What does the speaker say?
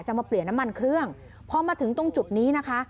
มาเปลี่ยนน้ำมันเครื่องพอมาถึงตรงจุดนี้นะคะ